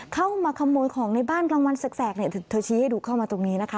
เข้ามาขโมยของในบ้านกลางวันแสกเนี่ยเธอชี้ให้ดูเข้ามาตรงนี้นะคะ